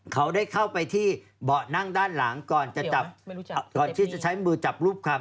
เขาได้เข้าไปที่เบาะนั่งด้านหลังก่อนจะจับก่อนที่จะใช้มือจับรูปคำ